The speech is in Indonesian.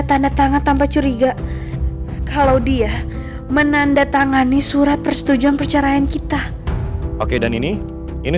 tanda tangan tanpa curiga kalau dia menandatangani surat persetujuan perceraian kita oke dan ini ini